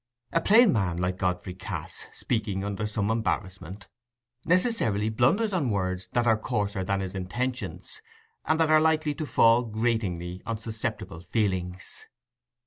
A plain man like Godfrey Cass, speaking under some embarrassment, necessarily blunders on words that are coarser than his intentions, and that are likely to fall gratingly on susceptible feelings.